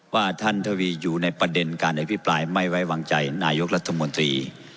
ว่าท่านทวีอยู่ในประเด็นการอภิปรายไม่ไว้วางใจนายกรัฐมนตรี